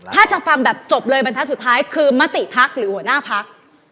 ถ้าจะฟังแบบจบเลยบรรทัศน์สุดท้ายคือมติพักหรือหัวหน้าพัก